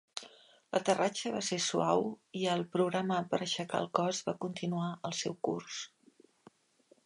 L"aterratge va se suau i el programa per aixecar el cos va continuar el seu curs.